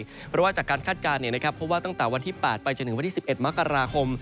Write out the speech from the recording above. เพราะว่าจากการคาดการณ์เพราะว่าตั้งแต่วันที่๘ไปจนถึงวันที่๑๑มกราคม